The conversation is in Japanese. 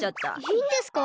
いいんですか？